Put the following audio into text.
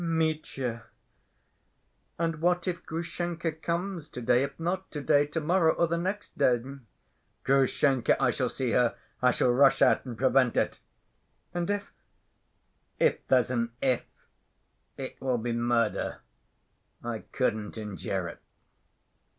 " "Mitya! And what if Grushenka comes to‐day—if not to‐day, to‐morrow, or the next day?" "Grushenka? I shall see her. I shall rush out and prevent it." "And if—" "If there's an if, it will be murder. I couldn't endure it."